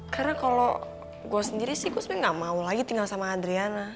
karena kalo gue sendiri sih gue sebenernya gak mau lagi tinggal sama adriana